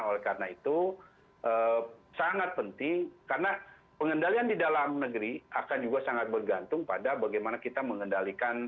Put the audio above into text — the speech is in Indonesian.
oleh karena itu sangat penting karena pengendalian di dalam negeri akan juga sangat bergantung pada bagaimana kita mengendalikan